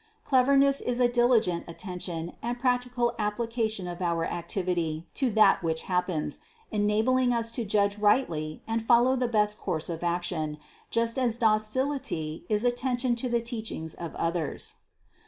Cleverness is a diligent attention and practical application of our activity to that which hap pens, enabling us to judge rightly and follow the best course of action, just as docility is attention to the teach ings of others.